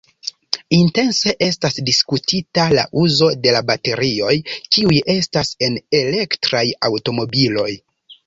Intense estas diskutita la uzo de la baterioj, kiuj estas en elektraj aŭtomobiloj.